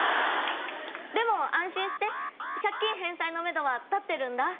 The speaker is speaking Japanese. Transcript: でも安心して借金返済のめどは立ってるんだ。